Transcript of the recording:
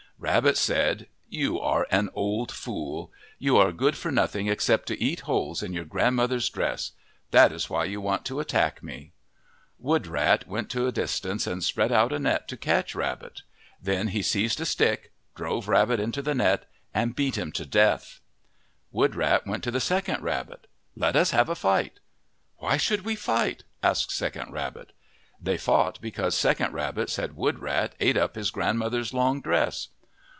Rabbit said, " You are an old fool. You are good for nothing except to eat holes in your grandmother's dress. That is why you want to attack me." Woodrat went to a distance and spread out a net to 67 MYTHS AND LEGENDS catch Rabbit. Then he seized a stick, drove Rabbit into the net, and beat him to death. Woodrat went to the Second Rabbit. " Let us have a fight." " Why should we fight ?' asked Second Rabbit. They fought because Second Rabbit said Woodrat ate up his grandmother's long dress.